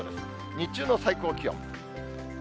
日中の最高気温。